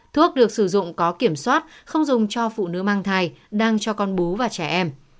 thuốc được sử dụng có kiểm soát không dùng cho phụ nữ mang thai đang cho con bú và trẻ em